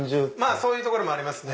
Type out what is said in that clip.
そういうところもありますね。